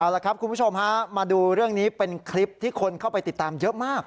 เอาละครับคุณผู้ชมฮะมาดูเรื่องนี้เป็นคลิปที่คนเข้าไปติดตามเยอะมาก